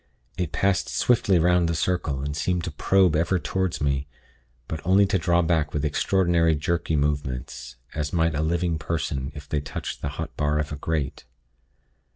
It passed swiftly 'round the circle, and seemed to probe ever toward me; but only to draw back with extraordinary jerky movements, as might a living person if they touched the hot bar of a grate.